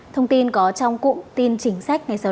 thông tin có trong cụm tin chính sách ngay sau đây